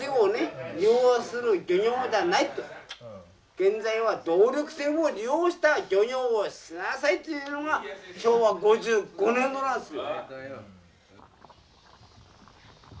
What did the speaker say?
現在は動力船を利用した漁業をしなさいというのが昭和５５年度なんですよ。